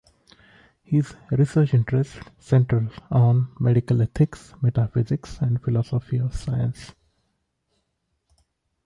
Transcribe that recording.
His research interests center on medical ethics, metaphysics, and philosophy of science.